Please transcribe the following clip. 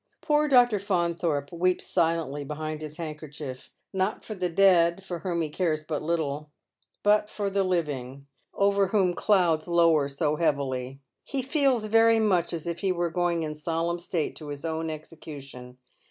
Pqpr Dr. Faunthorpe weeps silently behind his handkerchief— not for the dead, for whom he cares but little, but for the living, over whom clouds lower so heavily. He feels very much as if he were going in solemn state to his own execution.